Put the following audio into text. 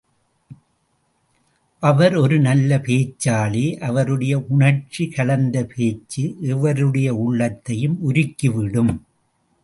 அவர் ஒரு நல்ல பேச்சாளி அவருடைய உணர்ச்சி கலந்த பேச்சு எவருடைய உள்ளத்தையும் உருக்கிவிடும்.